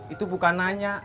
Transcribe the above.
itu bukan nanya